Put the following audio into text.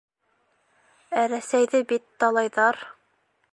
Ә Рәсәйҙе бит талайҙар.